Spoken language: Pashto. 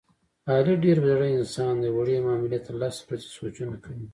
علي ډېر بې زړه انسان دی، وړې معاملې ته لس ورځې سوچونه کوي.